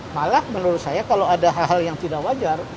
malah menurut saya kalau ada hal hal yang tidak wajar